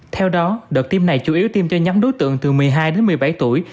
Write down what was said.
theo đó đợt tiêm này chủ yếu tiêm cho nhóm đối tượng từ một mươi hai đến một mươi bảy tuổi